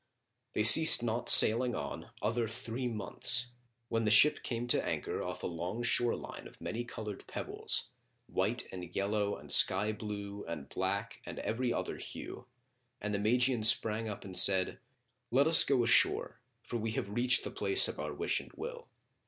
They ceased not sailing on other three months, when the ship came to anchor off a long shoreline of many coloured pebbles, white and yellow and sky blue and black and every other hue, and the Magian sprang up and said, "O Hasan, come, let us go ashore for we have reached the place of our wish and will."